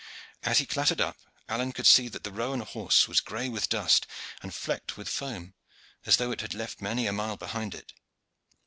As he clattered up, Alleyne could see that the roan horse was gray with dust and flecked with foam, as though it had left many a mile behind it.